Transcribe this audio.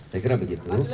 saya kira begitu